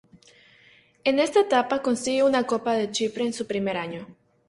En esta etapa consigue una Copa de Chipre en su primer año.